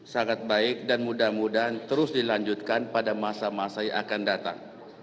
sangat baik dan mudah mudahan terus dilanjutkan pada masa masa yang akan datang